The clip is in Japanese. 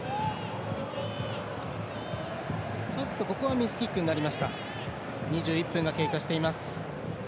ミスキックになりました。